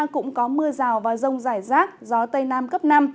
cũng có mưa rào và rông rải rác gió tây nam cấp năm